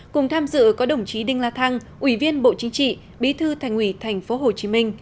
cùng tham dự có đồng chí đinh la thăng ủy viên bộ chính trị bí thư thành ủy tp hcm